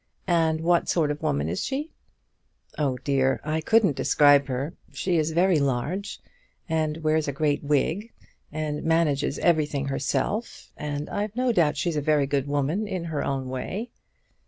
And what sort of woman is she?" "Oh dear; I couldn't describe her. She is very large, and wears a great wig, and manages everything herself, and I've no doubt she's a very good woman in her own way."